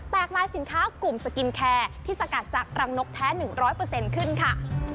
กลายสินค้ากลุ่มสกินแคร์ที่สกัดจากรังนกแท้๑๐๐ขึ้นค่ะ